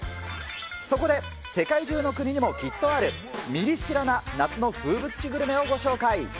そこで世界中の国にもきっとある、ミリ知らな夏の風物詩グルメをご紹介。